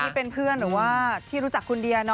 ที่เป็นเพื่อนหรือว่าที่รู้จักคุณเดีย